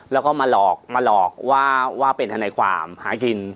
แล้วก็มาหลอกมาหลอกว่าเป็นทนายความหากิน